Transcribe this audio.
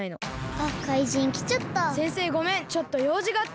あっかいじんきちゃった。